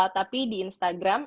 tapi di instagram